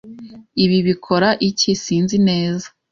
"Ibi bikora iki?" "Sinzi neza."